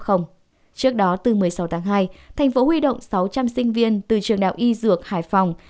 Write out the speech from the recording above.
trước đó từ một mươi sáu tháng hai thành phố huy động sáu trăm linh sinh viên từ trường đại học y dược hải phòng